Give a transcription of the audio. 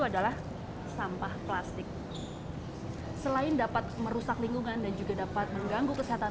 adalah sampah plastik selain dapat merusak lingkungan dan juga dapat mengganggu kesehatan